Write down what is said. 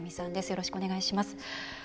よろしくお願いします。